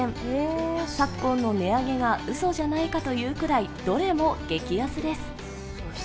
昨今の値上げがうそじゃないかというぐらいどれも激安です。